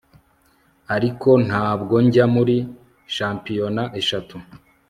Ariko ntabwo njya muri shampiyona eshatu